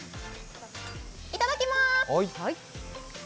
いただきまーす！